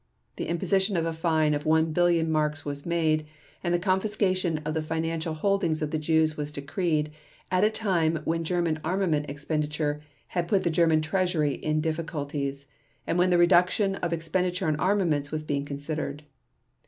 The imposition of a fine of one billion marks was made, and the confiscation of the financial holdings of the Jews was decreed, at a time when German armament expenditure had put the German treasury in difficulties, and when the reduction of expenditure on armaments was being considered.